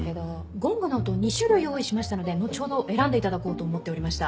ゴングの音を２種類用意しましたので後ほど選んでいただこうと思っておりました。